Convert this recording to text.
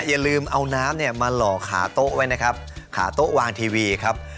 อย่าลืมเอาน้ำเนี่ยมาหล่อขาโต๊ะไว้นะครับขาโต๊ะวางทีวีครับ